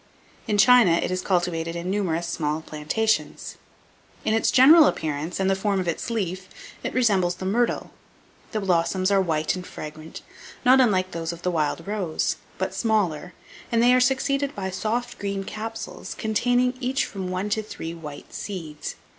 In China it is cultivated in numerous small plantations. In its general appearance, and the form of its leaf, it resembles the myrtle. The blossoms are white and fragrant, not unlike those of the wild rose, but smaller; and they are succeeded by soft green capsules, containing each from one to three white seeds.